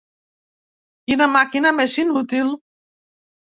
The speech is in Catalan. Quina màquina més inútil!